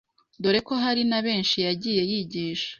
dore ko hari na benshi yagiye yigisha